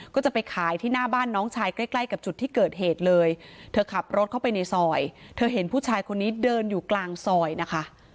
ก็จะไปขายที่หน้าบ้านน้องชายใกล้ใกล้กับจุดที่เกิดเหตุเลยเธอขับรถเข้าไปในซอยเธอเห็นผู้ชายคนนี้เดินอยู่กลางซอยนะคะ